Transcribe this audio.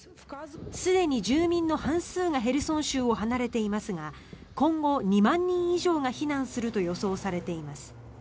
すでに住民の半数がヘルソン州を離れていますが今後、２万人以上が避難すると予想されています。